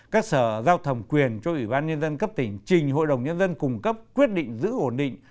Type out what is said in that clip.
các sở giao thẩm quyền cho ủy ban nhân dân cấp tỉnh trình hội đồng nhân dân cung cấp quyết định giữ ổn định